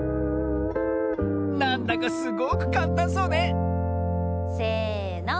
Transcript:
なんだかすごくかんたんそうねせの。